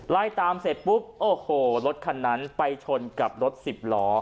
ไล่ตามเสร็จปุ๊บโอ้โหรถคันนั้นไปชนกับรถสิบล้อ